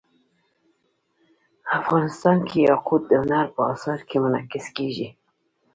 افغانستان کې یاقوت د هنر په اثار کې منعکس کېږي.